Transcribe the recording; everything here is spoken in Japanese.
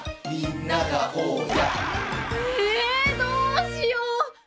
ええどうしよう！